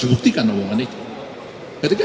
dibuktikan omongan itu ketika